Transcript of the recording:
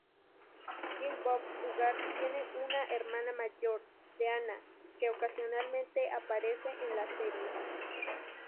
Jim Bob Duggar tiene una hermana mayor, Deanna, que ocasionalmente aparece en la serie.